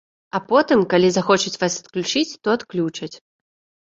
А потым, калі захочуць вас адключыць, то адключаць.